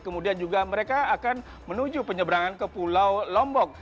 kemudian juga mereka akan menuju penyeberangan ke pulau lombok